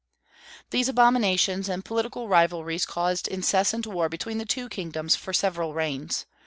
These abominations and political rivalries caused incessant war between the two kingdoms for several reigns.